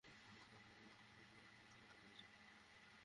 মনে হচ্ছে, তুমি ভুল জায়গায় চলে এসেছো।